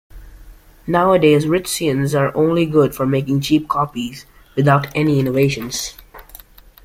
Nowadays Richesians are only good for making cheap copies, without any innovations.